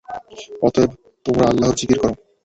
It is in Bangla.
অতএব, তোমরা আল্লাহর যিকির কর।